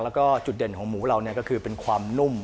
แล้วก็จุดเด่นของหมูเราก็คือเป็นความนุ่ม